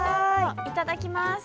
いただきます。